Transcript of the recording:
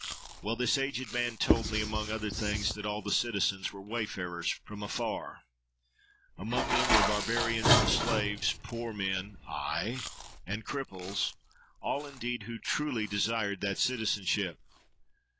Well, this aged man told me, among other things, that all the citizens were wayfarers from afar. Among them were barbarians and slaves, poor men—aye! and cripples—all indeed who truly desired that citizenship.